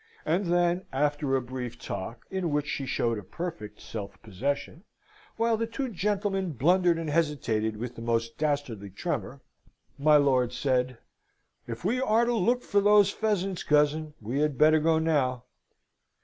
And then, after a brief talk, in which she showed a perfect self possession, while the two gentlemen blundered and hesitated with the most dastardly tremor, my lord said: "If we are to look for those pheasants, cousin, we had better go now."